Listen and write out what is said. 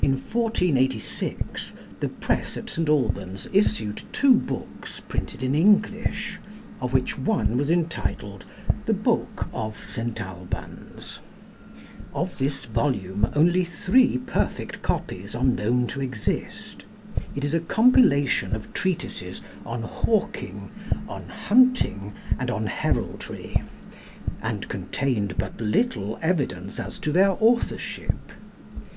In 1486 the press at St. Albans issued two books printed in English, of which one was entitled 'The Boke of St. Albans.' Of this volume only three perfect copies are known to exist. It is a compilation of treatises on hawking, on hunting, and on heraldry, and contained but little evidence as to their authorship.